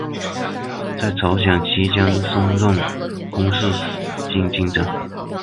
在朝鲜期间升任空四军军长。